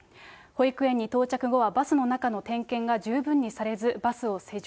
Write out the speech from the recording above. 保育園に到着後は、バスの中の点検が十分にされず、バスを施錠。